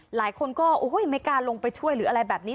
หลายคนก็ไม่กล้าลงไปช่วยหรืออะไรแบบนี้